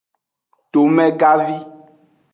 Tomegavi.